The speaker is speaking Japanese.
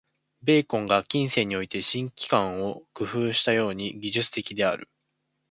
ベーコンが近世において「新機関」を工夫したように、技術的である。